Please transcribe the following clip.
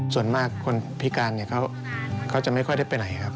ส่วนมากคนพิการเขาจะไม่ค่อยได้ไปไหนครับ